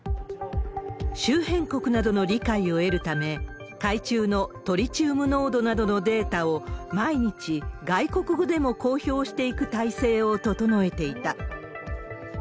周辺国などの理解を得るため、海中のトリチウム濃度などのデータを毎日、外国語でも公表していく態勢を整えていた。